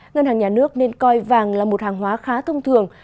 ngân hàng nhà nước nên coi vàng là một hàng hóa khá thông thường